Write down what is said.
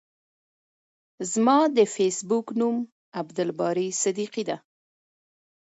زما د فیسبوک نوم عبدالباری صدیقی ده.